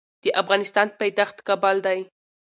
د افغانستان پایتخت کابل دي